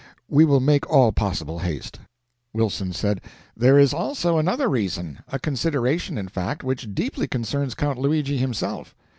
We will make all possible haste." Wilson said: "There is also another reason a consideration, in fact, which deeply concerns Count Luigi himself.